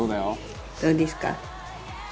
どうですか？